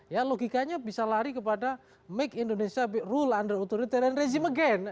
ya logikanya bisa lari kepada make indonesia rule under authoritarian rezim again